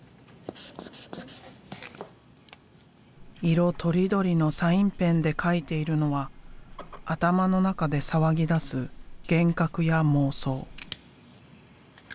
色とりどりのサインペンで描いているのは頭の中で騒ぎだす幻覚や妄想。